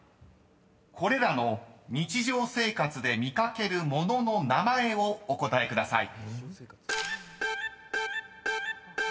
［これらの日常生活で見掛ける物の名前をお答えください］